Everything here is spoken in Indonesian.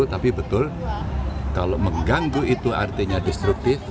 tapi betul kalau mengganggu itu artinya destruktif